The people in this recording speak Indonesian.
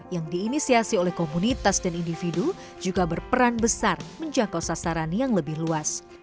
yang diinisiasi oleh komunitas dan individu juga berperan besar menjangkau sasaran yang lebih luas